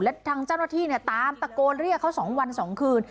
และทางเจ้าหน้าที่เนี่ยตามตะโกนเรียกเขา๒วัน๒คืน